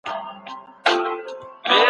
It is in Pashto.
تر هغې چي هغه راغی ما خپل کار خلاص کړی و.